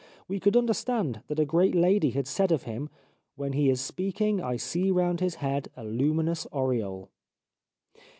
We could understand that a great lady had said of him :' When he is speaking I see round his head a luminous aureole.'